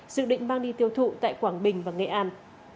dự định mang đi tiêu thụ tại quảng bình và nghệ an